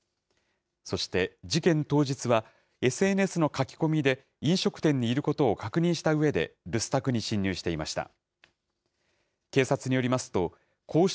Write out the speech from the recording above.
そして、事件当日は、ＳＮＳの書き込みで飲食店にいることを確認したうえで、留守宅に侵入していました。